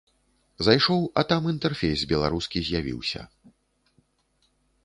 Зайшоў, а там інтэрфейс беларускі з'явіўся.